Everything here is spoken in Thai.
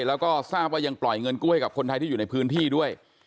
แล้วก็ทราบว่ายังปล่อยเงินกู้ให้กับคนไทยที่อยู่ในพื้นที่ด้วย